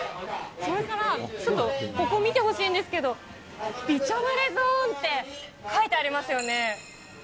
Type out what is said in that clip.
ちょっとここ見てほしいんですけど、びちょぬれゾーンって書いてありますよね。